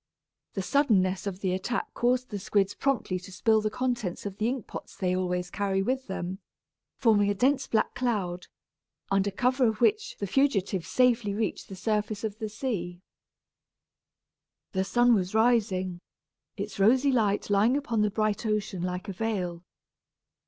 The suddenness of the attack caused the squids promptly to spill the contents of the ink pots they always carry with them, forming a dense black cloud, under cover of which the fugitives safely reached the surface of the sea. The sun was rising, its rosy light lying upon the bright ocean like a veil.